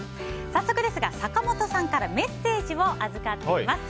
早速ですが坂本さんからメッセージを預かっています。